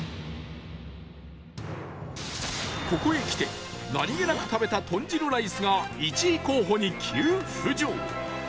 ここへきて何げなく食べた豚汁ライスが１位候補に急浮上